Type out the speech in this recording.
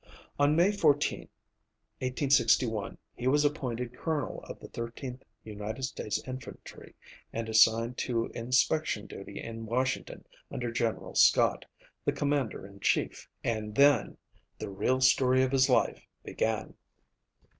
On May 14, 1861, he was appointed colonel of the Thirteenth United States Infantry, and assigned to inspection duty in Washington under General Scott, the commander in chief; and then the real story of his life began.